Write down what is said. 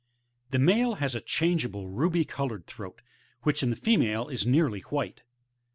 The male has a changeable ruby coloured throat, which in the female is nearly white.